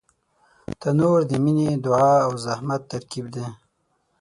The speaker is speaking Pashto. تنور د مینې، دعا او زحمت ترکیب دی